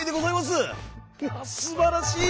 すばらしい！」。